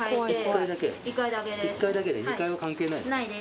１階だけね２階は関係ないの？